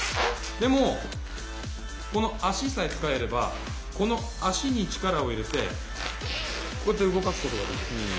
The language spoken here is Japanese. でもこの足さえ使えればこの足に力を入れてこうやって動かすことができる。